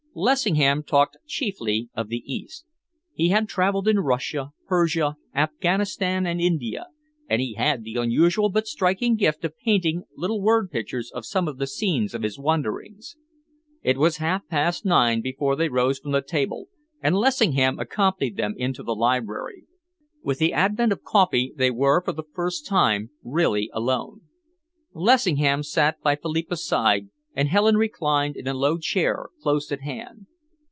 Lessingham talked chiefly of the East. He had travelled in Russia, Persia, Afghanistan, and India, and he had the unusual but striking gift of painting little word pictures of some of the scenes of his wanderings. It was half past nine before they rose from the table, and Lessingham accompanied them into the library. With the advent of coffee, they were for the first time really alone. Lessingham sat by Philippa's side, and Helen reclined in a low chair close at hand.